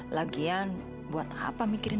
lagian buat apa mikirin